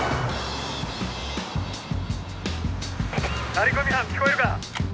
張り込み班聞こえるか？